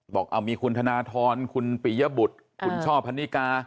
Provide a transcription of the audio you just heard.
บอกมีคุณธนทรคุณปิยบุตรคุณช่อพันนิกา